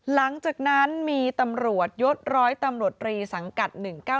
หลังจากนั้นมีตำรวจยศร้อยตำรวจรีสังกัด๑๙๙